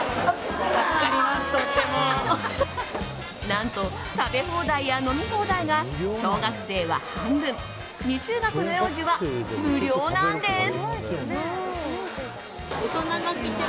何と、食べ放題や飲み放題が小学生は半分未就学児の幼児は無料なんです。